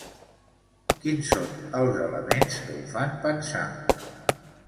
Quins són els elements que ho fan pensar?